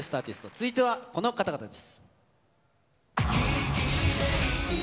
続いては、この方々です。